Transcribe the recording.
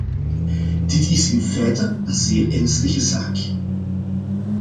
Dit is in feite een zeer ernstige zaak.